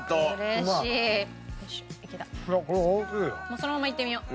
そのままいってみよう。